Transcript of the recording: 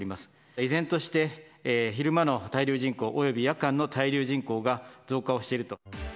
依然として、昼間の滞留人口および夜間の滞留人口が増加をしていると。